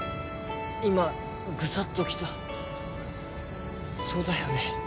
今グサッときたそうだよね